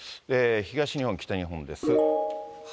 東日本、北日本です。